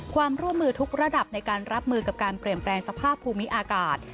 ความร่วมมือทุกระดับในการรับมือกับการเปลี่ยนแปลงสภาพภูมิอากาศ